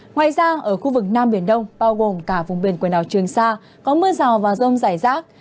ngoài ra ở khu vực nam biển đông bao gồm cả vùng biển quần đảo trường sa có mưa rào và rông rải rác